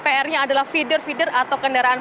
prnya adalah feeder feeder atau kendaraan